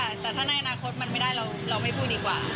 แต่ถ้าในอนาคตมันไม่ได้เราไม่พูดดีกว่า